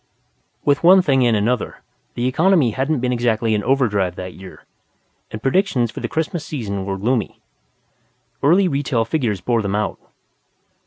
With one thing and another, the economy hadn't been exactly in overdrive that year, and predictions for the Christmas season were gloomy. Early retail figures bore them out.